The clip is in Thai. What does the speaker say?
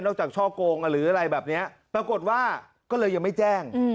จากช่อโกงหรืออะไรแบบนี้ปรากฏว่าก็เลยยังไม่แจ้ง